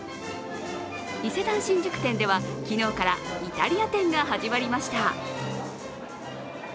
伊勢丹新宿店では、昨日からイタリア展が始まりました。